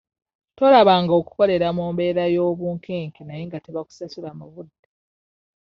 Tolabanga okukola mu mbeera y'obunkenke naye nga tebakusasula mu budde.